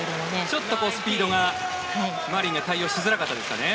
ちょっとスピードがマリンには対応しづらかったですかね。